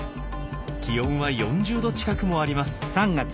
気温は４０度近くもあります。